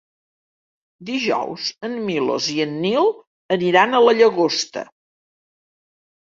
Dijous en Milos i en Nil aniran a la Llagosta.